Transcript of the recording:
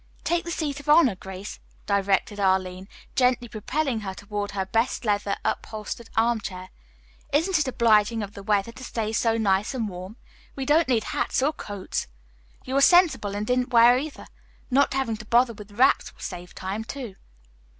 "Take the seat of honor, Grace," directed Arline, gently propelling her toward her best leather upholstered armchair. "Isn't it obliging of the weather to stay so nice and warm? We don't need hats or coats. You were sensible and didn't wear either. Not having to bother with wraps will save time, too."